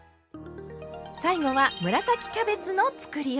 最後は紫キャベツのつくりおき。